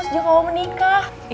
sejak kamu menikah